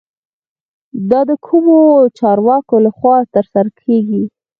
دا د کومو چارواکو له خوا ترسره کیږي؟